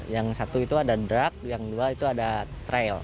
yang satu itu ada drug yang dua itu ada trail